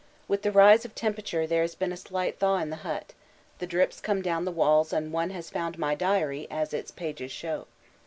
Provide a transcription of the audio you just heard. With the rise of temperature there has been a slight thaw in the hut; the drips come down the walls and one has found my diary, as its pages show.